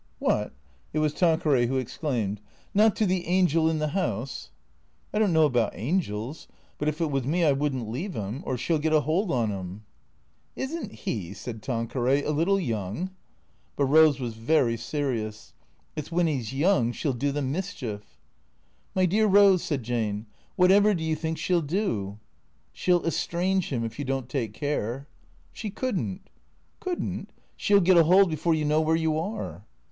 "What?" (It was Tanqueray who exclaimed.) "Not to the angel in the house ?"" I don't know about angels, but if it was me I would n't leave 'im, or she '11 get a hold on 'im." " Is n't he," said Tanqueray, " a little young ?" But Eose was very serious. " It 's when 'e 's young she '11 do the mischief." " My dear Eose," said Jane, " whatever do you think she '11 do?" " She '11 estrange 'im, if you don't take care." "She couldn't." " Could n't ? She '11 get a 'old before you know where you are."